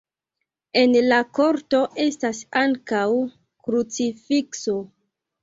En la korto estas ankaŭ krucifikso.